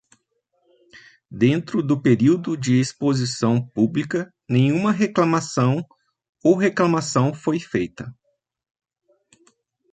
Dentro do período de exposição pública, nenhuma reclamação ou reclamação foi feita.